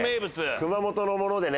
熊本のものでね。